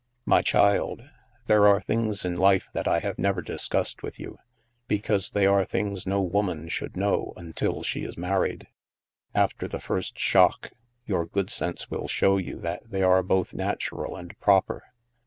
" My child, there are things in life that I have never discussed with you, because they are things STILL WATERS 107 no woman should know until she is married. After the first shock, your good sense will show you that they are both natural and proper.